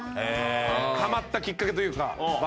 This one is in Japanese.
ハマったきっかけというかバスケに。